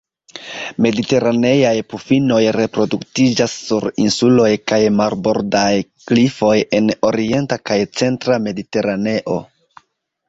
Mediteraneaj pufinoj reproduktiĝas sur insuloj kaj marbordaj klifoj en orienta kaj centra Mediteraneo.